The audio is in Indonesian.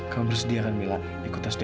kamu bersedia kan mila ikut tes dna